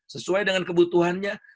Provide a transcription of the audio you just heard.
sesuai dengan kebutuhannya